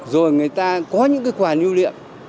rồi người ta có những cái quà lưu luyện